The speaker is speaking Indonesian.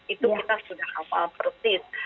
itu kita sudah hafal persis